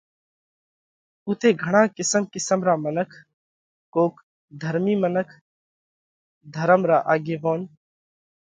اُوٿئہ گھڻا قِسم قِسم را منک، ڪوڪ ڌرمِي منک، ڌرم را آڳيوونَ،